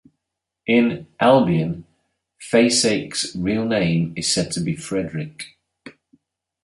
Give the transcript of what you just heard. In "Albion" Faceache's real name is said to be "Frederick".